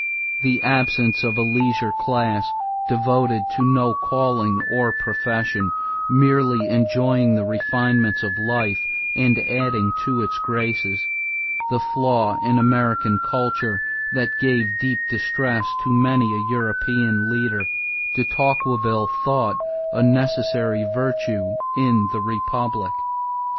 The absence of a leisure class, devoted to no calling or profession, merely enjoying the refinements of life and adding to its graces the flaw in American culture that gave deep distress to many a European leader de Tocqueville thought a necessary virtue in the republic.